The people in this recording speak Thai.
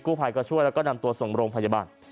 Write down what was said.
ภัยก็ช่วยแล้วก็นำตัวส่งโรงพยาบาล